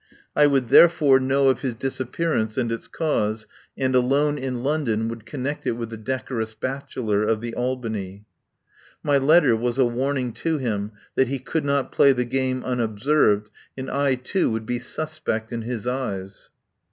I would therefore know 89 THE POWER HOUSE of his disappearance and its cause, and alone in London would connect it with the decorous bachelor of the Albany. My letter was a warning to him that he could not play the game unobserved, and I, too, would be sus pect in his eyes.